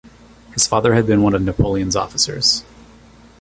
His father had been one of Napoleon's officers.